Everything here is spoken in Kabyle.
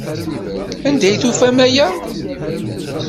Anda ay d-tufam aya?